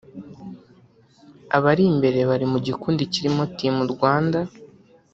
Abari imbere bari mu gikundi kirimo Team Rwanda